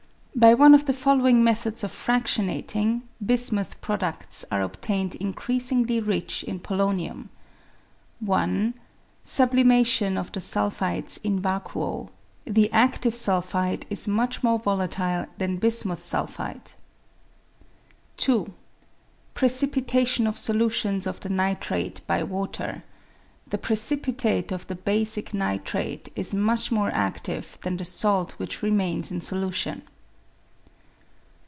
By one of the followmg methods of fradionating, bismuth produds are obtained increasingly rich in polonium :— 1. Sublimation of the sulphides in vacuo; the adive sulphide is much more volatile than bismuth sulphide. 2. Precipitation of solutions of the nitrates by water ; the precipitate of the basic nitrate is much more adive than the salt which remains in solution.